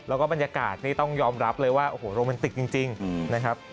แล้วก็บรรยากาศนี่ต้องยอมรับเลยว่าโอ้โหโรแมนติกจริงนะครับ